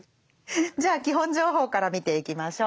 じゃあ基本情報から見ていきましょう。